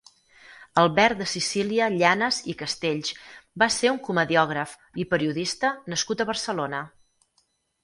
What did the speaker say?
Albert de Sicília Llanas i Castells va ser un comediògraf i periodista nascut a Barcelona.